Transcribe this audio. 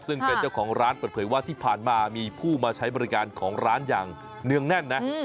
ซึ่งเป็นเจ้าของร้านเปิดเผยว่าที่ผ่านมามีผู้มาใช้บริการของร้านอย่างเนื่องแน่นนะ